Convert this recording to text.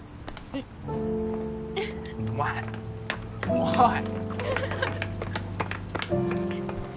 おい。